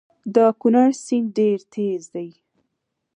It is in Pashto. د کونړ سیند ډیر تېز دی